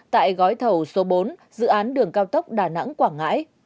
tại gói thầu số bốn dự án đường cao tốc đà nẵng quảng ngãi